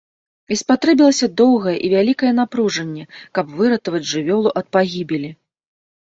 І спатрэбілася доўгае і вялікае напружанне, каб выратаваць жывёлу ад пагібелі.